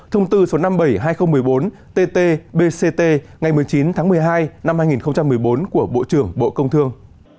thông tư số năm mươi bảy hai nghìn một mươi bốn tt bct ngày một mươi chín tháng một mươi hai năm hai nghìn một mươi bốn của bộ trưởng bộ công thương